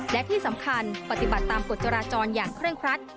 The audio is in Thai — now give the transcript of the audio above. และที่สำคัญปฏิบัติตามกฎจราจรอย่างเคร่งครัด